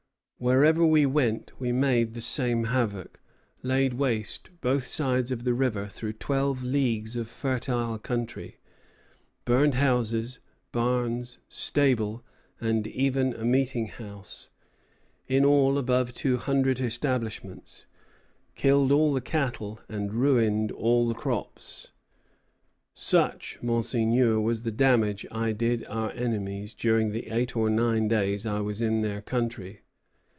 Wherever we went we made the same havoc, laid waste both sides of the river, through twelve leagues of fertile country, burned houses, barns, stables, and even a meeting house, in all, above two hundred establishments, killed all the cattle, and ruined all the crops. Such, Monseigneur, was the damage I did our enemies during the eight or nine days I was in their country."